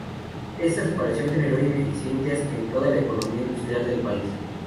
Esta separación generó ineficiencias en toda la economía industrial del país.